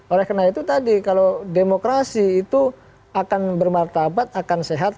oleh karena itu tadi kalau demokrasi itu akan bermartabat akan sehat